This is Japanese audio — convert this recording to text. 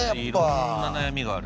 いろんな悩みがある。